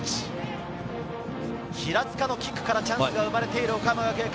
平塚のキックからチャンスが生まれている岡山学芸館。